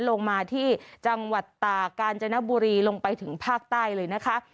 ลงมาที่จังหวัดตากาญจนบุรีลงไปถึงภาคใต้เลยนะคะ